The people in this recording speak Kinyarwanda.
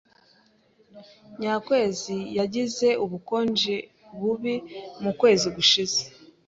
Nyakwezi yagize ubukonje bubi mukwezi gushize.